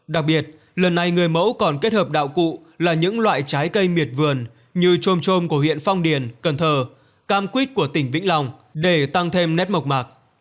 đặc biệt lần này người mẫu còn kết hợp đạo cụ là những loại trái cây miệt vườn như trôm trôm của huyện phong điền cần thờ cam quýt của tỉnh vĩnh long để tăng thêm nét mộc mạc